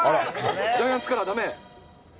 ジャイアンツカラーだめ？